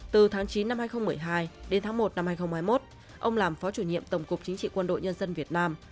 từ tháng chín năm hai nghìn một mươi hai đến tháng một năm hai nghìn hai mươi một ông làm phó chủ nhiệm tổng cục chính trị quân đội nhân dân việt nam